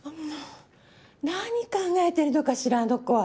何考えてんのかしらあの子は。